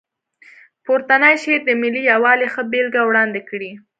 پورتنی شعر د ملي یووالي ښه بېلګه وړاندې کړې.